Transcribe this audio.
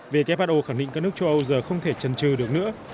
who khẳng định các nước châu âu giờ không thể trần trừ được nữa